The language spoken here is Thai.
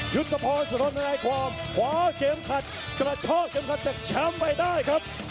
ยุทธพรสนุนในความคว้าเกมขัดกระชอกเกมขัดจากแชมป์ไปได้ครับ